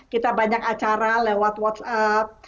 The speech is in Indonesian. kita banyak acara lewat whatsapp